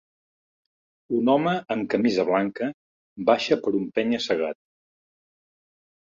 Un home amb camisa blanca baixa per un penya-segat.